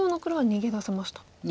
逃げ出せました。